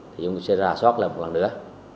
thì chúng tôi sẽ ra soát lại một lần nữa